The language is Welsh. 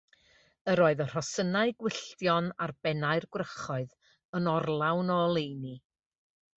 Yr oedd y rhosynnau gwylltion ar bennau'r gwrychoedd yn orlawn o oleuni.